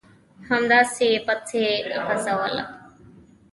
همداسې یې پسې غځوله ...